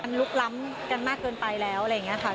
มันลุกล้ำกันมากเกินไปแล้วอะไรอย่างนี้ค่ะ